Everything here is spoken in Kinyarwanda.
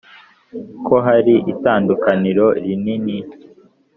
ko hari itandukaniro rinini